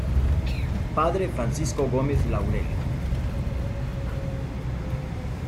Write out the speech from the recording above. F. Francisco Gómez Laurel.